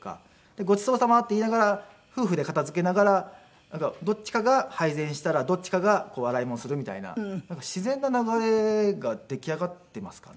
ごちそうさまって言いながら夫婦で片付けながらどっちかが配膳したらどっちかが洗い物するみたいな自然な流れが出来上がっていますかね。